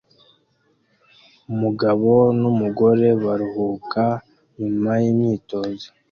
Umugabo numugore baruhuka nyuma yimyitozo